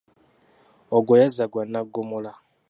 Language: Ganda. Ogwo yazza gwa Nnaggomola.